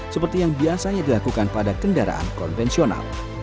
seperti yang biasanya dilakukan pada kendaraan konvensional